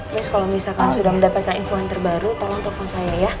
yes kalau misalkan sudah mendapatkan info yang terbaru tolong telepon saya ya